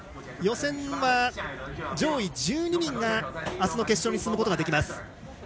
予選は上位１２人があすの決勝に進むことができます。